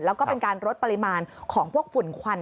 แล้วก็เป็นการลดปริมาณของพวกฝุ่นควัน